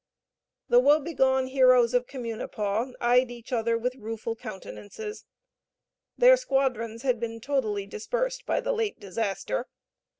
The woebegone heroes of Communipaw eyed each other with rueful countenances; their squadrons had been totally dispersed by the late disaster.